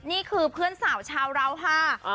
นี่คือเพื่อนสาวชาวเราค่ะ